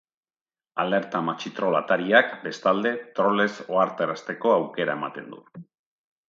Alerta machitroll atariak, bestalde, trollez ohartarazteko aukera ematen du.